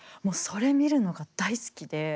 もうそれ見るのが大好きで。